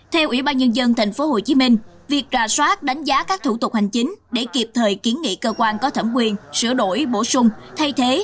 theo ủy ban nhân dân tp hcm việc ra soát đánh giá các thủ tục hành chính để kịp thời kiến nghị cơ quan có thẩm quyền sửa đổi bổ sung thay thế